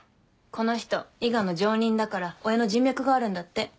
この人伊賀の上忍だから親の人脈があるんだって。